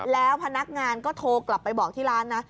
แล้วพนักงานก็โทรกลับไปบอกที่ร้านนะ